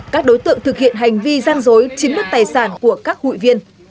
các đối tượng thực hiện hành vi gian dối chính bất tài sản của các hụi viên